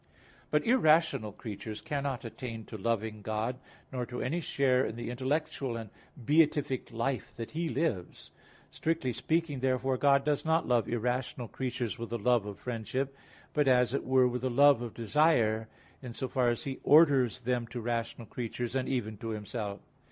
But irrational creatures cannot attain to loving God, nor to any share in the intellectual and beatific life that He lives. Strictly speaking, therefore, God does not love irrational creatures with the love of friendship; but as it were with the love of desire, in so far as He orders them to rational creatures, and even to Himself.